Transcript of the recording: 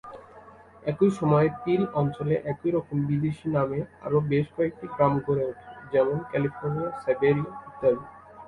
একই সময়ে পিল অঞ্চলে একই রকম বিদেশি নামে আরও বেশ কয়েকটি গ্রাম গড়ে ওঠে, যেমন ক্যালিফোর্নিয়া, সাইবেরিয়া ইত্যাদি।